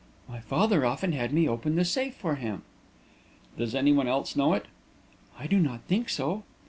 "My father often had me open the safe for him." "Does anyone else know it?" "I do not think so."